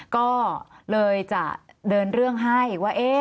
ก็เลยจะเดินเรื่องให้ว่า